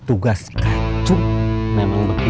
tugas kacuk memang begitu